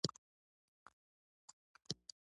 سعودي عربستان په نولس سوه دوه دیرش میلادي کال کې.